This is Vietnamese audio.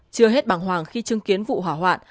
chưa hết bằng hoàng khi chứng kiến vụ hỏa hoạn